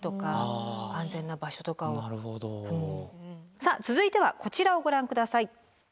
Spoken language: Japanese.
さあ続いてはこちらをご覧下さい。